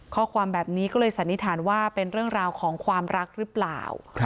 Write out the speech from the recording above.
ข้อความแบบนี้ก็เลยสันนิษฐานว่าเป็นเรื่องราวของความรักหรือเปล่า